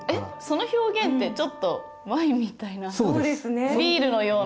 その表現ってちょっとワインみたいなビールのような。